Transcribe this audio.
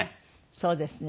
そうですね。